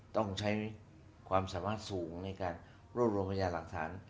ต้องใช้ความสามารถสูงในการรวบรวมพยาหลักฐาน